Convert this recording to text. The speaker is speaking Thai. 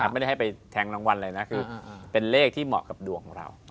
ไม่ได้ให้ไปแทงรางวัลเลยนะคือเป็นเลขที่เหมาะกับดวงของเรา